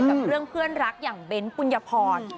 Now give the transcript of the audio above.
กับเรื่องเพื่อนรักอย่างเบ้นปุญญพร